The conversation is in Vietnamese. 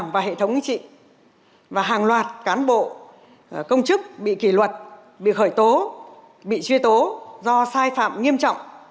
và hệ thống chính trị và hàng loạt cán bộ công chức bị kỷ luật bị khởi tố bị truy tố do sai phạm nghiêm trọng